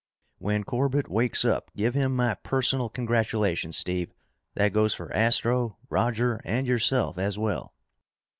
"When Corbett wakes up, give him my personal congratulations, Steve. That goes for Astro, Roger, and yourself, as well."